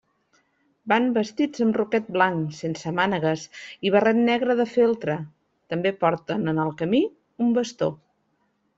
Van vestits amb roquet blanc sense mànegues i barret negre de feltre, també porten en el camí un bastó.